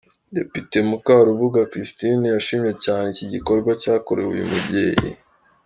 Depite Mukarubuga Christine, yashimye cyane iki gikorwa cyakorewe uyu mubyeyi.